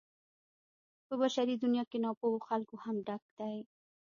په بشري دنيا کې ناپوهو خلکو هم ډک دی.